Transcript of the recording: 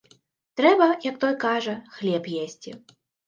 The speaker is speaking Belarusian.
Трэба, як той кажа, хлеб есці.